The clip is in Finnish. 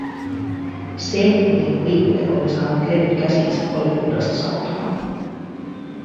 Se, miten Quique oli saanut levyt käsiinsä, oli puhdasta sattumaa.